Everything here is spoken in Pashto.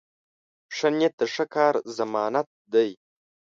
ښه نیت د ښه کار ضمانت دی.